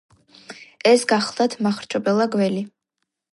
ეს გახლდათ მახრჩობელა გველი,